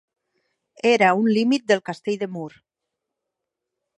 Era un límit del castell de Mur.